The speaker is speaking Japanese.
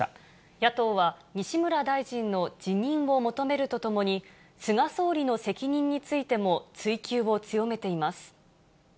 野党は、西村大臣の辞任を求めるとともに、菅総理の責任についても追及を強めています。